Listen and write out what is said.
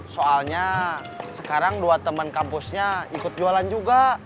soalnya sekarang dua teman kampusnya ikut jualan juga